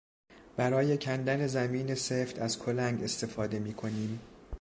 برای کندن زمین سفت از کلنگ استفاده میکنیم.